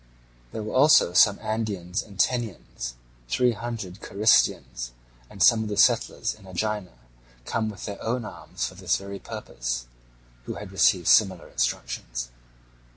There were also some Andrians and Tenians, three hundred Carystians, and some of the settlers in Aegina come with their own arms for this very purpose, who had received similar instructions.